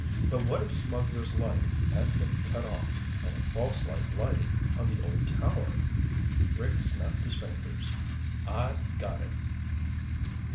But what if Smugglers' Light had been cut off and a false light lighted on the old tower? Rick snapped his fingers. "I've got it!"